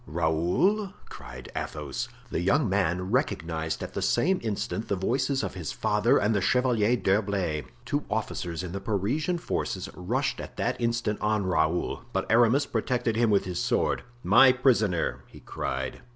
"Raoul?" cried Athos. The young man recognized at the same instant the voices of his father and the Chevalier d'Herblay; two officers in the Parisian forces rushed at that instant on Raoul, but Aramis protected him with his sword. "My prisoner!" he cried.